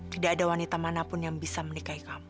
tidak ada wanita manapun yang bisa menikahi kamu